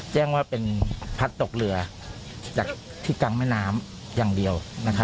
แจ้งว่าเป็นพัดตกเรือจากที่กลางแม่น้ำอย่างเดียว